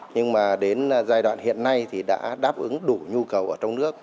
nhưng mà đến giai đoạn hiện nay thì đã đáp ứng đủ nhu cầu ở trong nước